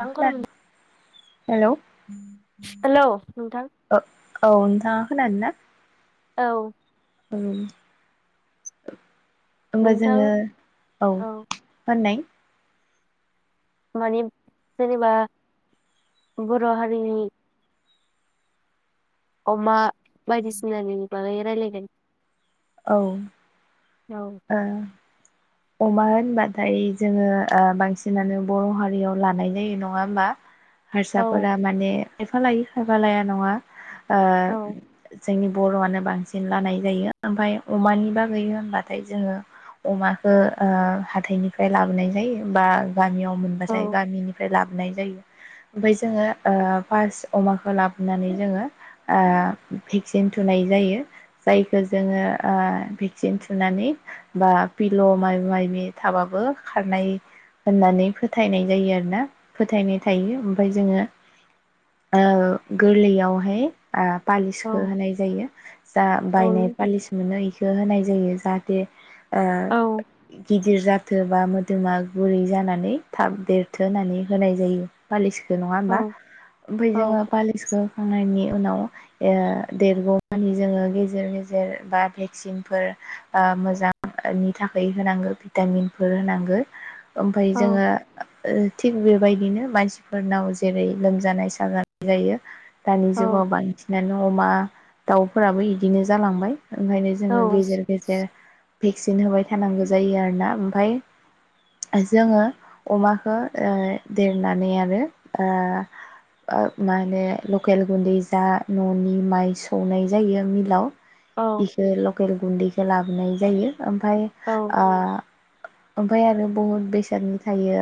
मा थां गरम खालामदो? हेलौ हेलौ नोंथां खोनादोंना? औ। उम। होमबा नोंथां जोङो औ होननाय माने जेनेबा बर' हारिनि अमा बायदिसिना नि बागै रायलायगोन औ। ओं। औ अमा होनबाथाय जोङो ओ बांसिनानो बर' हारियाव लानाय जायो नङा होमबा? औ हारसाफोरा माने खायफा लायो खायफा लाया नङा। ओ औ जोंनि बर'आनो बांसिन लानाय जायो ओमफ्राय अमानिबा गैयो होनबाथाय जोङो अमा ओ ओ हाथाइनिफ्राय लाबोनाय जायो बा गामियाव मोनबाथाय औ गामिनिफ्राय लाबो नाय जायो ओमफ्राय जोङो ओ फार्स्ट अमाखौ लाबोनानै जोङो ओ भेक्सिन थुनाय जायो जायखौ जोङो ओ भेक्सिन थुनानै बा फिलौ माइ माबि थाबाबो खारनाय होननानै फोथायनाय जायो आरोना फोथायनाय थायो ओमफाय जोङो ओ गोरलैयावहाय ओ पालिसखौ औ होनाय जायो जा बायनाय औ पालिस मोनो इखौ होनाय जायो जाहाथे ओ बि औ गिदिर जाथोबा मोदोमा गुरै जानानै थाब देरथों होननानै होनाय जायो फालिस खो नङा होमबा औ ओमफ्राय औ जोङो पालिसखौ थांनायनि उनाव ओ देरगौमानि जोङो गेजेर गेजेर बा भेक्सिनफोर ओ मोजां थाखाय होनांगौ भिटामिनफोर होनांगौ। ओमफाय औ जोङो ओ थिग बेबायदिनो मानसिफोरनाव जेरै लोमजानाय साजानाय जायो। दानि औ जुगाव बांसिनानो अमा दाउफोराबो बिदिनो जालांबाय ओंखायनो जोङो गेजेर गेजेर भेक्सिन होबाय थानांगौ जायो आरोना ओमफाय जोङो अमाखौ ओ देरनानै आरो ओ मा होनो लकेल गुन्दै जा न'नि माइ सौनाय जायो मिलाव बिसोर लकेल गुन्दैखौ लाबोनाय जायो ओमफ्राय औ ओ ओमफ्राय आरो बहुद बेसादनि थायो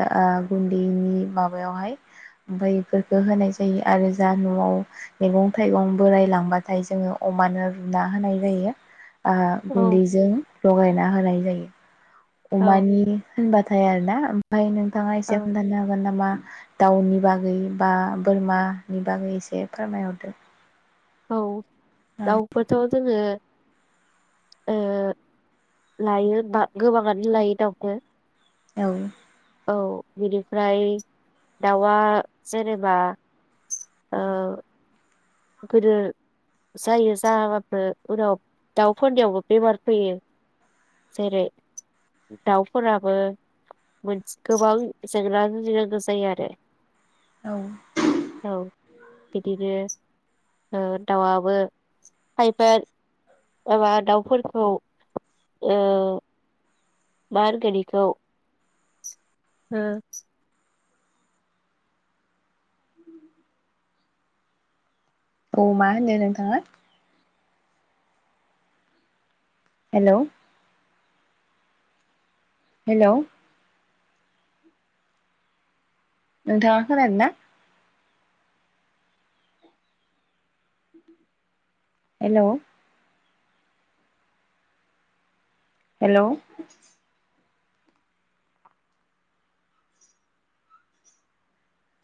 गुन्दैनि माबायावहाय ओमफाय बेफोरखौ होनाय जायो आरो जा न'आव मैगं थाइगं बोराय लांबाथाय जोङो अमानो रुना होनाय जायो। ओ औ गुन्दैजों लगाय ना होनाय जायो। औ अमानि‌ होनबाथाय आरोना ओमफ्राय नों नोंथाङा एसे खोन्थानो हागोन नामा? दाउनि बागै बा बोरमानि बागै एसे फोरमायहरदो। औ दाउखौथ' जोङो लायो गोबाङानो लायो दाउखौ औ औ बिनिफ्राय दाउआ जेनेबा ओ गोदो जायो जायाबाबो उनाव दाउफोरनियावबो बेमार फैयो जेरै दाउफोराबो गोबां जेंना जुजिनांगौ जायो आरो। औ औ बिदिनो औ दाउआबो खायफा माबा दाउफोरखौ ओ मा होनगोन बेखौ हो औ मा होनो नोंथाङा हेलौ हेलौ नोंथाङा खोनादोंना हेलौ हेलौ